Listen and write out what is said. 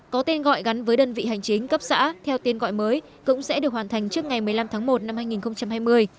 có tên gọi gắn với đơn vị hành chính cấp xã theo tên gọi mới cũng sẽ được hoàn thành trước ngày một mươi năm tháng một năm hai nghìn hai mươi